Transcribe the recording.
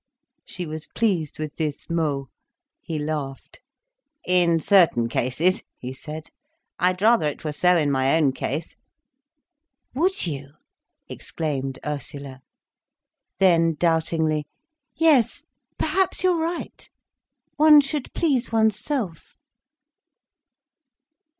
She was pleased with this mot. He laughed. "In certain cases," he said. "I'd rather it were so in my own case." "Would you!" exclaimed Ursula. Then doubtingly, "Yes, perhaps you're right. One should please oneself."